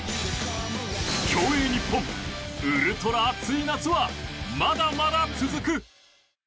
競泳日本、ウルトラ熱い夏はまだまだ続く！